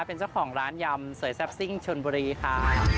เป็นเจ้าของร้านยำสวยแซ่บซิ่งชนบุรีค่ะ